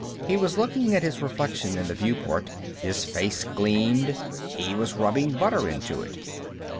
He was looking at his reflection in the viewport. His face gleamed. He was rubbing butter into it.